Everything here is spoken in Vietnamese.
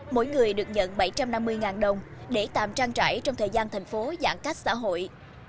mỗi người được nhận bảy trăm năm mươi đồng để tạm trang trải trong thời gian thành phố giãn cách xã hội